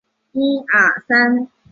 会展中心站的换乘方式为垂直换乘。